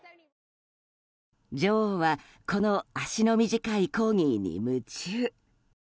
女王はこの足の短いコーギーに夢中。